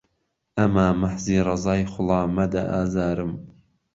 ئهما مهحزی ڕهزای خوڵا مهده ئازارم